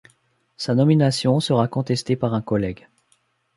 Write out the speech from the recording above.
Sa nomination sera contestée par un collègue.